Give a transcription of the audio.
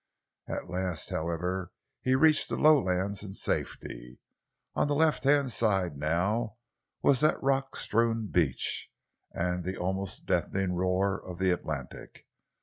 At last, however, he reached the lowlands in safety. On the left hand side now was the rock strewn beach, and the almost deafening roar of the Atlantic.